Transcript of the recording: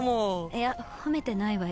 いや褒めてないわよ。